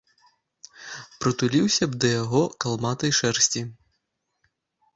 Прытуліўся б да яго калматай шэрсці.